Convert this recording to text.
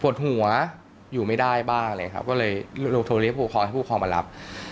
หัวอยู่ไม่ได้บ้างเลยครับก็เลยโทรเรียกผู้ปกครองให้ผู้ครองมารับ